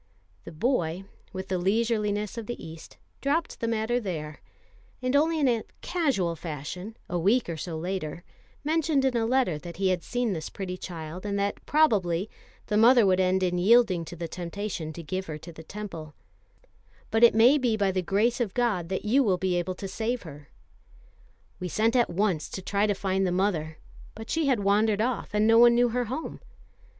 The boy, with the leisureliness of the East, dropped the matter there; and only in a casual fashion, a week or so later, mentioned in a letter that he had seen this pretty child, and that probably, the mother would end in yielding to the temptation to give her to the Temple "but it may be by the grace of God that you will be able to save her." We sent at once to try to find the mother; but she had wandered off, and no one knew her home.